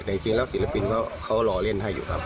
แต่จริงศิลปินเค้าอาจเล่นให้อยู่ครับ